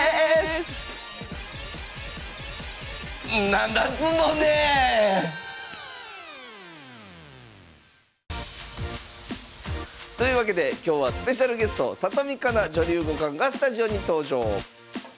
何だっつうのね！というわけで今日はスペシャルゲスト里見香奈女流五冠がスタジオに登場。